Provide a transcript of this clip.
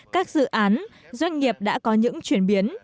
các dự án doanh nghiệp đã có những chuyển biến